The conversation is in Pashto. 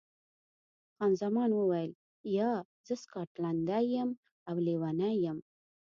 خان زمان وویل، یا، زه سکاټلنډۍ یم او لیونۍ یم.